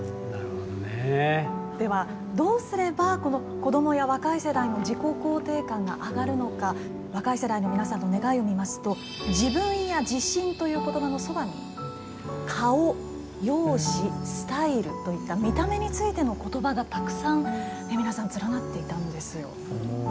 では、どうすれば子どもや若い世代の自己肯定感が上がるのか若い世代の皆さんの願いを見ますと「自分」や「自信」という言葉のそばに「顔」、「容姿」、「スタイル」といった見た目についての言葉がたくさん連なっていたんですよ。